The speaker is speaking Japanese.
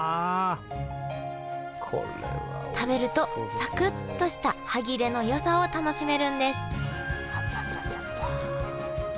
食べるとサクッとした歯切れのよさを楽しめるんですあちゃちゃちゃちゃ。